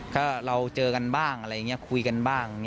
ก็เราเจอกันบ้างอะไรอย่างนี้คุยกันบ้าง